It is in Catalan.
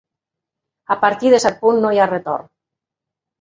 A partir de cert punt no hi ha retorn.